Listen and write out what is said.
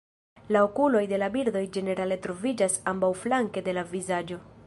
La okuloj de la birdoj ĝenerale troviĝas ambaŭflanke de la vizaĝo.